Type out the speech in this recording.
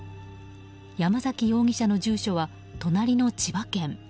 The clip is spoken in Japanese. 山崎容疑者の住所は隣の千葉県。